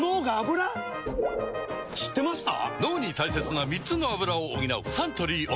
知ってました？